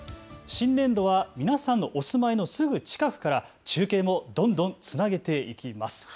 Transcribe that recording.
新年度は皆さんのお住まいのすぐ近くから中継もどんどんつなげていきます。